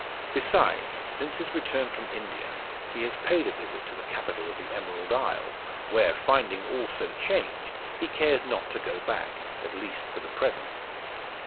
Besides, since his return from India, he has paid a visit to the capital of the Emerald Isle; where, finding all so changed, he cares not to go back at least, for the present.